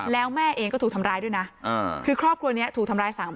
แล้วแม่เองก็ถูกทำร้ายด้วยนะคือครอบครัวนี้ถูกทำร้ายสามคน